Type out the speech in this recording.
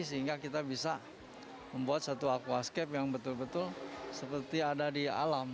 sehingga kita bisa membuat satu aquascape yang betul betul seperti ada di alam